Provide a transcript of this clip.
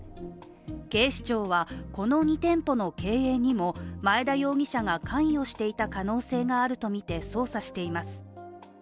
警視庁は、この２店舗の経営にも前田容疑者が関与していた可能性があるとみて捜査しています。